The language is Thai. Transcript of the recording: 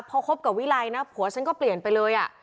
พอคบกับวิไลนะผัวฉันก็เปลี่ยนไปเลย